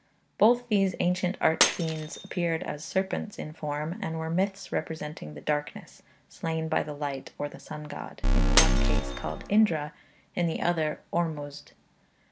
Both these ancient arch fiends appeared as serpents in form, and were myths representing the darkness, slain by the light, or the sun god, in the one case called Indra, in the other Ormuzd.